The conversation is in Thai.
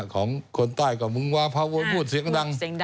ของคนใต้ก็ว่าพาวนพูดเสียงดัง